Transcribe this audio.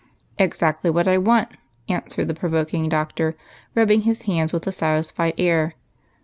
"Exactly what I want," answered the provoking Doctor, rubbing his hands with a satisfied air.